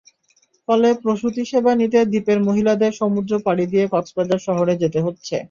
ফলে প্রসূতিসেবা নিতে দ্বীপের মহিলাদের সমুদ্র পাড়ি দিয়ে কক্সবাজার শহরে যেতে হচ্ছে।